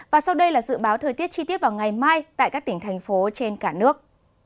và sau đây là dự báo thời tiết chi tiết vào ngày mai tại các tỉnh thành phố trên cả nước